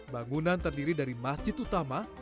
bangunan terdiri dari masjid utama